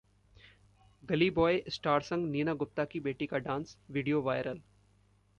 गली बॉय स्टार संग नीना गुप्ता की बेटी का डांस, वीडियो वायरल